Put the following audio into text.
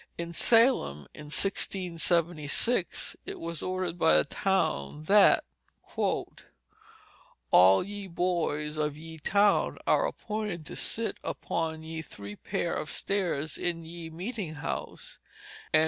In Salem, in 1676, it was ordered by the town that "all ye boyes of ye towne are appointed to sitt upon ye three paire of stairs in ye meeting house, and Wm.